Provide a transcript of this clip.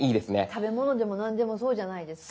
食べ物でも何でもそうじゃないですか。